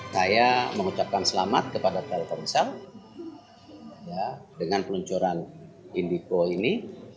saya mengucapkan selamat kepada telkomsel dengan peluncuran indico ini